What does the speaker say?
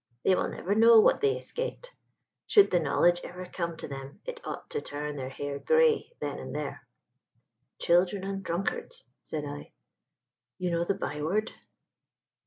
They will never know what they escaped: should the knowledge ever come to them it ought to turn their hair grey then and there." "Children and drunkards," said I. "You know the byword?"